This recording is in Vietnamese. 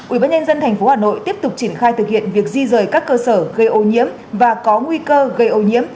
ubnd tp hà nội tiếp tục triển khai thực hiện việc di rời các cơ sở gây ô nhiễm và có nguy cơ gây ô nhiễm